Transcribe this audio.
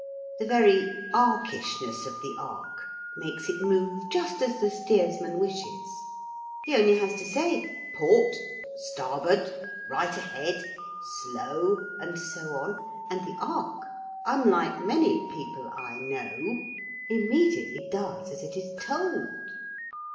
The very arkishness of the ark makes it move just as the steersman wishes. He only has to say 'Port,' 'Starboard,' 'Right ahead,' 'Slow' and so on, and the ark (unlike many people I know) immediately does as it is told.